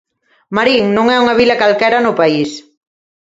Marín non é unha vila calquera no país.